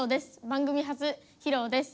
番組初披露です。